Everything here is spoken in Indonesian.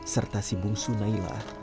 serta si bungsu nailah